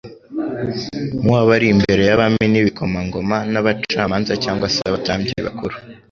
nk'uwaba ari imbere y'abami n'ibikomangoma n'abacamanza cyangwa se abatambyi bakuru.